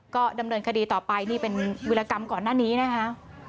ก็ดำเนินคดีต่อไปนี่เป็นวิรากรรมก่อนหน้านี้นะคะ